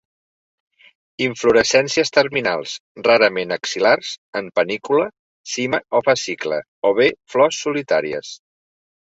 Inflorescències terminals, rarament axil·lars, en panícula, cima o fascicle, o bé flors solitàries.